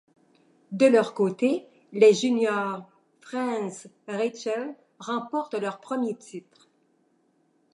De leur côté, les juniors Franz Reichel remportent leur premier titre.